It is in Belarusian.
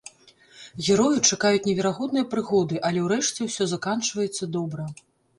Герояў чакаюць неверагодныя прыгоды, але ўрэшце ўсё заканчваецца добра.